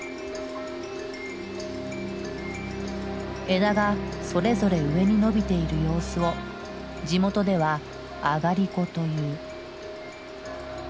枝がそれぞれ上に伸びている様子を地元では「あがりこ」という。